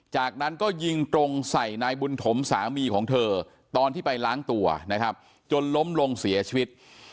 จากนั้นก็ยิงตรงใส่นายบุญถมสามีของเธอตอนที่ไปล้างตัวนะครับจนล้มลงเสียชีวิต